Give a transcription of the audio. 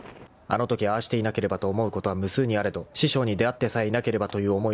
［あのときああしていなければと思うことは無数にあれど師匠に出会ってさえいなければという思いはぬぐい去れない］